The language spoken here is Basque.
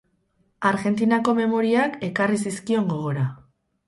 Argentinako memoriak ekarri zizkion gogora.